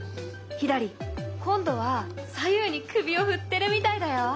今度は左右に首を振ってるみたいだよ。